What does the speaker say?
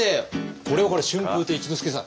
これはこれは春風亭一之輔さん。